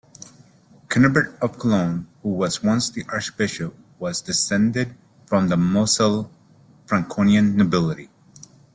Cunibert of Cologne, who was once the Archbishop, was descended from the Moselle-Franconian nobility.